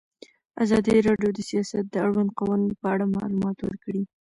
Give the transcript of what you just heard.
ازادي راډیو د سیاست د اړونده قوانینو په اړه معلومات ورکړي.